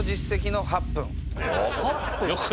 ８分？